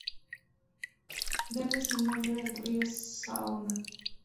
Debe su nombre al río Saona.